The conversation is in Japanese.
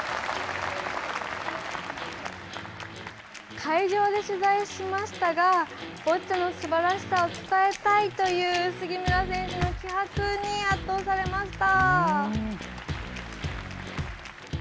会場で取材しましたがボッチャのすばらしさを伝えたいという杉村選手の気迫に圧倒されました。